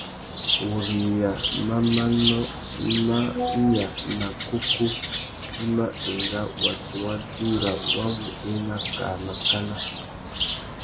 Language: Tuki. Wuriya má manô mà iya nà kúkú i mà enga watu wa dinga wa wu ena kā màkánà.